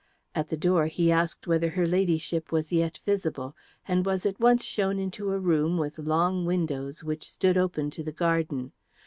At the door he asked whether her Ladyship was yet visible, and was at once shown into a room with long windows which stood open to the garden.